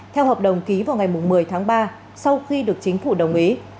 theo hợp đồng ký vào ngày một mươi tháng ba sau khi được chính phủ đồng ý